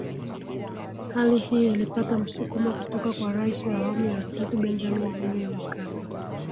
Hali hii ilipata msukumo kutoka kwa Rais wa awamu ya tatu Benjamini Wiliam Mkapa